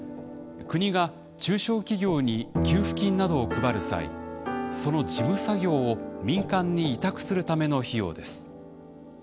国が中小企業に給付金などを配る際その事務作業を民間に委託するための費用です。